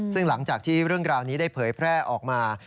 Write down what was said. ซึ่งหลังจากที่เรื่องราวนี้ได้เผยแพร่ออกมา